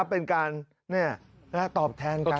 เป็นการตอบแทนกัน